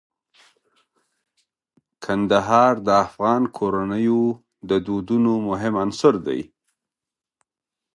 کندهار د افغان کورنیو د دودونو مهم عنصر دی.